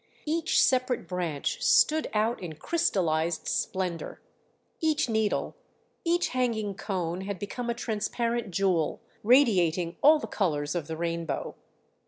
Each separate branch stood out in crystallized splendour, each needle, each hanging cone had become a transparent jewel, radiating all the colours of the rainbow.